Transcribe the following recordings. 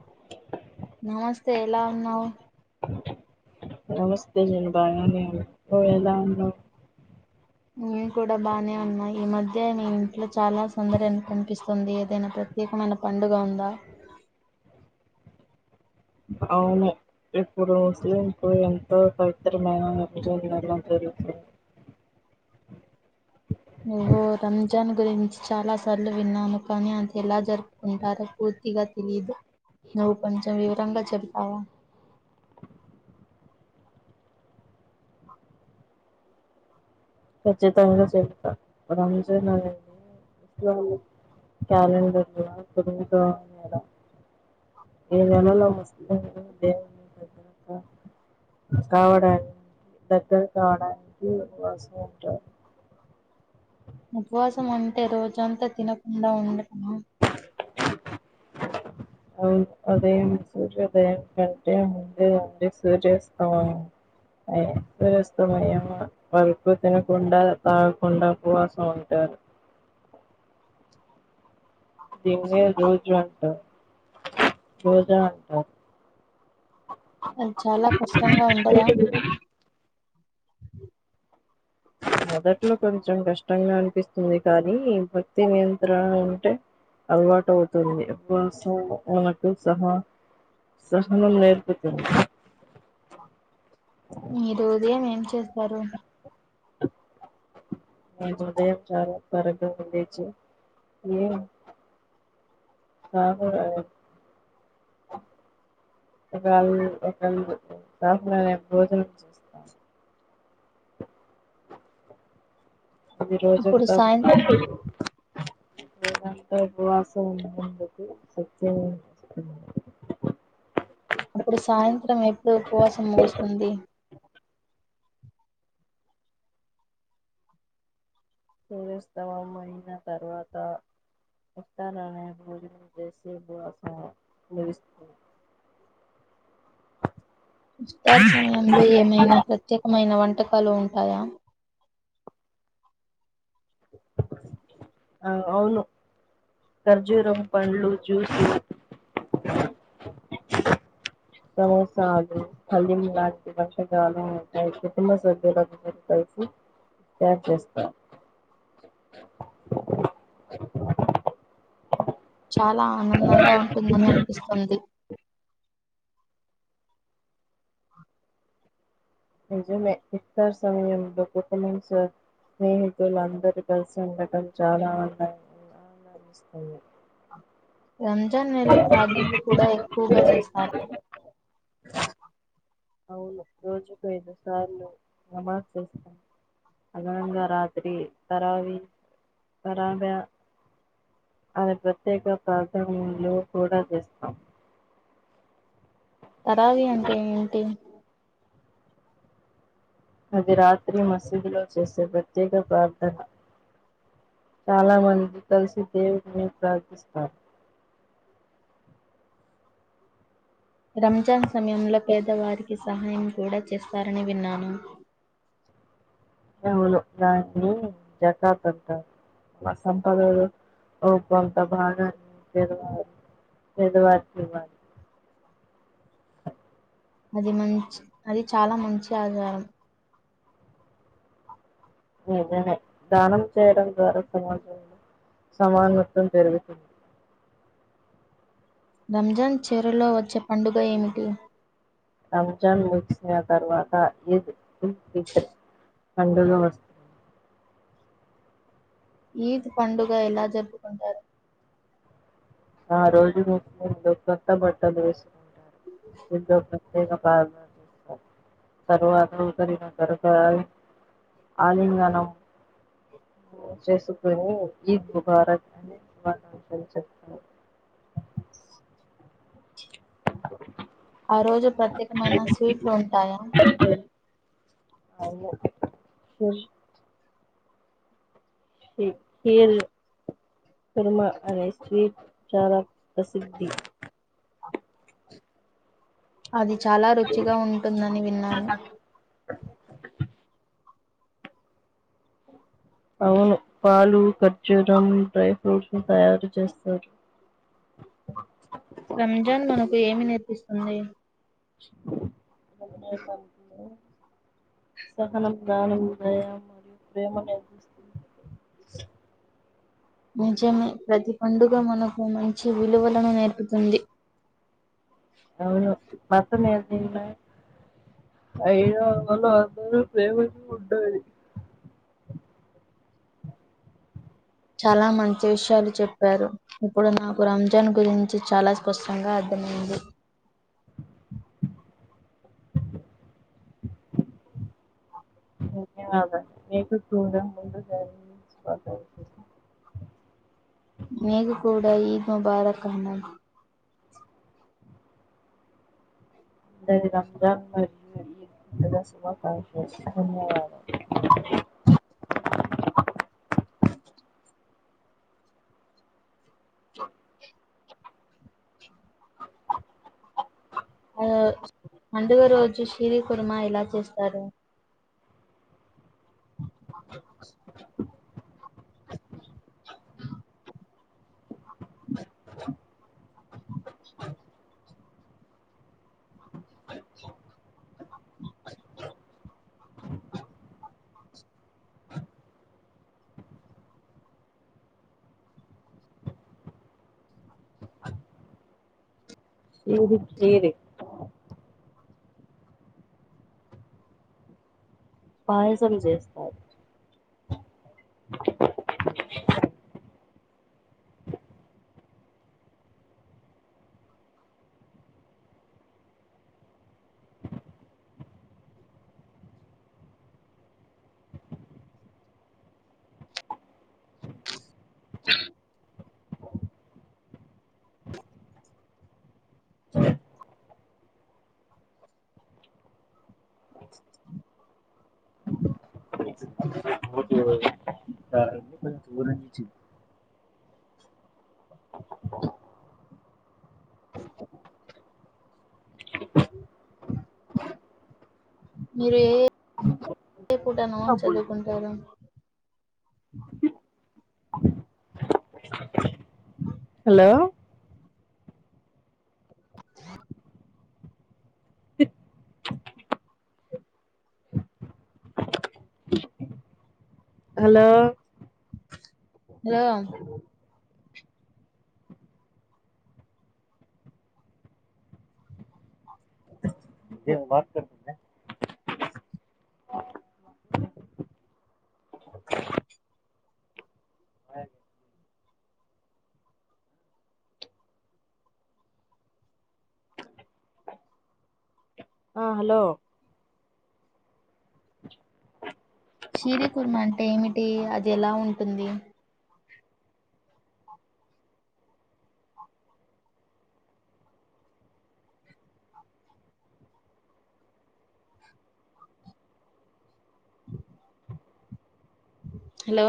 [inaudible] నమస్తే ఎలా ఉన్నావు నమస్తే నేను బాగనే ఉన్నాను నువ్వు ఎలా ఉన్నావు నేను కూడా బానే ఉన్నాయి ఈ మధ్య మీ ఇంట్లో చాలా సౌందర్యం కనిపిస్తుంది ఏదైనా ప్ర ప్రత్యకమైన పండుగ ఉందా [inaudible] అవును ఇప్పుడు ముస్లిం ఎంతో పవిత్రమైన విభజన జరుగుతుంది [inaudible] నువ్వు రంజాన్ గురించి చాలా సార్లు విన్నాను కానీ అంది ఎలా జరుపుకుంటారు పూ పూర్తిగా తెలియదు నవు కొంచెం వివరంగా చెబుతావా [inaudible] కచ్చితంగ చేత. రంజన్ అనేది కాలి క్యాలెండర్ల అప్పుడు ఇంకా నెల ఈ నెలలో ముస్లింలు దేవుని దగ్గరగా కావడాన్ దగ్గర కావడానికి వస్ ఉంట ఉపవాసం అంటే రోజంత తినకుండ ఉండటమ? అవున్ ఉదయం సూర్యోదయం కంటే ముందే ఆ లేసి చేస్తా ఆయ సూర్యాస్తమయం వరకు తినకుండ, తాగకుండ ఉపవాసం ఉంటా టరు దీన్నే రోజు అంటా రోజా అంటారు కాని చాలా కష్టంగా ఉండదా? మొదట్లో కొంచెం కష్టంగా అనిపిస్తుంది కానీ, భక్తి నియంత్రణ ఉంటే అలవాటు అవుతుంది ఉపవాసం మనకు సహా. సహనం నేర్పుతున్ మీరు ఉదయం ఏం చేస్తారు? నేను ఉదయం చాలా త్వరగా లేచి ఏ కాఫీ తాగి ఒకాల్ ఒకళ్ [unintelligible] భోజనం చేస్తా అది అప్పుడు రోజంత సాయం రోజంత ఉపవాసం ఉన్నందుకు శక్తిని ఇస్తు అప్పుడు సాయంత్రం ఎప్పుడు ఉపవాసం ముగుస్తుంది? సూర్య అస్తమయం అయిన తరువాత. వత్తానే మే భోజనం చేసి ఉపవాసం ముగిస్తు ఉస్తార్ సమయంలో ఏమైనా ప్రత్యేకమైన వంటకాలు ఉంటాయా? ఆ అవును. ఖర్జూరం పండ్లు, జ్యూసు అ సమోసాలు, హలీం లాంటి వంటకాలు ఉంటయి. కుటుంబ సభ్యులందరూ ప్రేయర్ చేస్తా చాల ఆనందంగ ఉంటుందని అనిపిస్తుంది. నిజమే ఇత్తర్ సమయంలో [unintelligible] స్నేహితులు అందరూ కలిసి ఉండటం చాలా ఆనందంగ అనిపిసస్తుంది. అ రంజాన్ నేలో ప్రార్థనలు కూడా ఎక్కువగా చేస్తార? అవును రోజుకు ఐదు సార్లు నమాజ్ చేస్తా అదనంగా రాత్రి పరావి పరావ అది ప్రత్యేక ప్రార్థనలు కూడా చేస్తాం. తరావి అంటే ఏంటి? అది రాత్రి మసీదులో చేసే ప్రత్యేక ప్రార్థన చాలా మంది కలిసి దేవున్ని ప్రార్థిస్తార్. రంజాన్ సమయంలో పేదవారికి సహాయం కూడ చేస్తారని విన్నాను. అవులో దాన్ని జకాత్ అంటార్. మా సంపదలో ఓ కొంత భాగాన్ని పేదవార్ పేదవారికి ఇవ్వాలి. అది మంచి అది చాలా మంచి ఆచారం నిజమే దానం చేయడం ద్వారా సమాజంలో సమానత్వం పెరుగుతుంది రంజాన్ చీరలో వచ్చే పండుగ ఏమిటి రంజాన్ ముగిసిన తర్వాత ఈద్ ఉల్ ఫితర్ పండుగ వస్తూ ఈద్ పండుగ ఎలా జరుపుకుంటారు ఆ రోజు కొత్త బట్టలు ఏసు కుంటారు పెద్ద ప్రత్యేక బా తర్వాత ఒకరినొకరు తావి ఆలింగణము చేసుకుని ఈద్ ముబారత్ అని శుభాకాంక్షలు చెప్ ప్పు ఆ రోజు ప్రత్యేకమైన స్వీట్లు ఉంటాయా అవును సూస్ ఏ పేరు కుర్మా అనే స్వీట్ చాలా ప్రసిద్ధి అది చాలా రుచిగా ఉంటుందని విన్నాను అవును పాలు ఖర్జూరం డ్రై ఫ్రూట్స్ ను తయారు చేస్తారు రంజాన్ మనకు ఏమి నేర్పిస్తుంది రంజాన్ మనకు సహనం దానం దయా మరియు ప్రేమ నేర్పిస్తుంది నిజమే ప్రతి పండుగ మనకు మంచి విలువలను నేర్పుతుంది అవును మతం ఏదైనా అయ్యో మళ్ళ అందరిలో ప్రేమ ఏమి ఉండది చాలా మంచి విషయాలు చెప్పారు ఇప్పుడు నాకు రంజాన్ గురించి చాలా స్పష్టంగా అర్ధ మైంది నీకేం అవుతుంది తూంద ముందుగా మీకు కూడ ఈద్ ముబారక్ అన్న అ రంజాన్ మరియు ఈద్ ముబారక్ శుభాకాంక్షలు ధన్యవాదాలు చ ఆ పండుగ రోజు సిరి కుర్మ ఎలా చేస్తారు ఏది సిరి పాయసం చేస్తావ్ దూరం నుంచి మీరు ఏ ఏ పూట [unintelligible] చదువుకుంటారు హలో అ హలో హలో ఏమో మాట్లాడుతోంది ఆ హలో శిరి కుర్మ అంటే ఏమిటి అది ఎలా ఉంటుంది హలో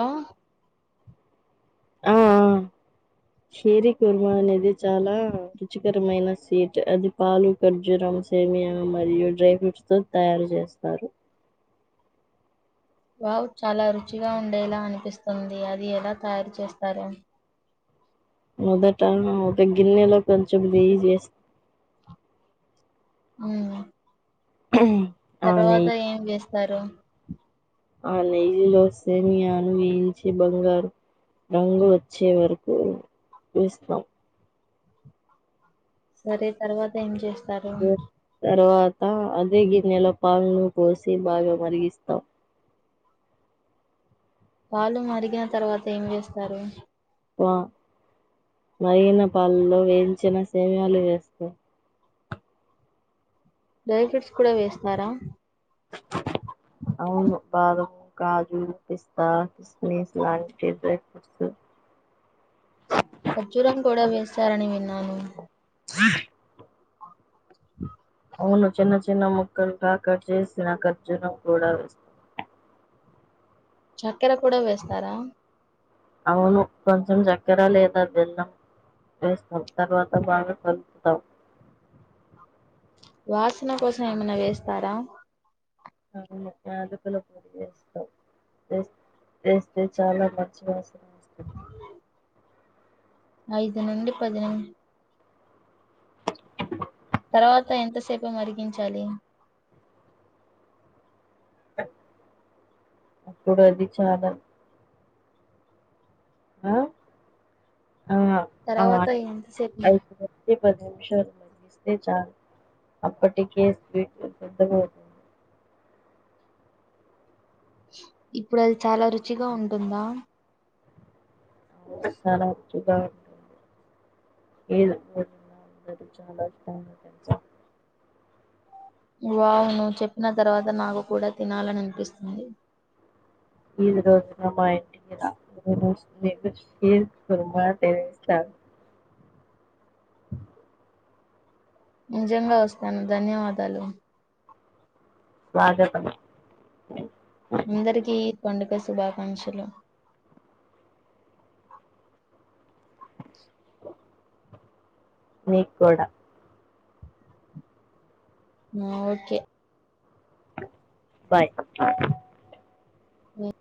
షిరి కుర్మ అనేది చాలా రుచికరమైన సీట్ అది పలు ఖర్జూరం సేమియా మరియు డ్రై ఫ్రూట్స్ తో తయారు చేస్తారు వావ్ చాలా రుచిగా ఉండేలా అనిపిస్తుంది అది ఎలా తయారు చేస్తారో మొదటగిన్నెలో కొంచెంనెయ్యి చేస్తా ఉ ఆ నెయ్యి తర్వాత ఏం చేస్తారు ఆ నెయ్యి లో సేమియాను బంగారు రంగు వచ్చే వరకు వేస్తాం సరే తర్వాత ఏం చేస్తారు తర్వాత అదే గిన్నెల పాాలను పోసి బాగా మరిగిస్తాం పాలు మరిగిన తర్వాత ఏం చేస్తారు పా మరిగిన పాలల్లో వేయించిన సేమయాలు వేస్తా డై ఫ్రూట్స్ కూడా వేసినార [inaudible] అవును బాధమ్ కాజూ పిస్తా కిస్మిస్ లాంటి డ్రై ఫ్రూట్స్ [inaudible] ఖర్జూరం కూడా వేస్తారని విన్నాను జ [inaudible] అవును చిన్న చిన్న మొక్కలు కా కట్ చేసిన ఖర్జూరం కూడా వేస్తా చక్కెర కూడా వేస్తారా అవును కొంచెం చక్కెర లేదా బిల్లం వేస్తాం తర్వాత బాగా కలుపుతాం వాసన కోసం ఏమైనా వేస్తారా అవును ఏలకుల పొడి వేస్తాం వేస్తే చాలా మంచి వాసన వస్తుంది ఐదు నుండి పదినిమి [inaudible] తర్వాత ఎంతసేపు మరిగించాలి [unintelligible] అప్పుడు అది చాలా ఆ ఆ ఆ తర్వాత ఎంత సప్ప ఐదు నుంచి పది నిమిషాలు మార్గిస్టేక్ అప్పటికే సీటు గడగ అవుతుంది ఇప్పుడు అది చాలా రుచిగా ఉంటుందా చాలా రుచిగా ఉంటుంది ఏ రోజుల అందది చాలా ఇష్టమైన కన్సర్ వావు ను్ చెప్పిన తర్వాత నాకు కూడా తినాలని అనిపిస్తుంది ఈది రోజున మా ఇంటి కురు తెస్త [inaudible] [inaudible] నిజంగా వస్తాను ధన్యవాదాలు స్వాగతం అందరికీ ఈ పండుగ శుభాకాంక్షలు నికూడా ఓకే బాయ్ బ